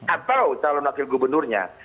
atau calon wakil gubernurnya